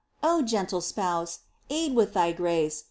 O gentle Spouse ! Aid with Thy grace.